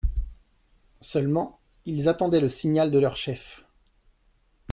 Seulement, ils attendaient le signal de leur chef.